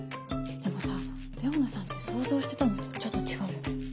でもさレオナさんって想像してたのとちょっと違うよね。